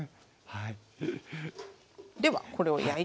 はい。